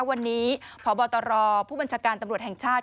วันนี้พบตรผู้บัญชาการตำรวจแห่งชาติ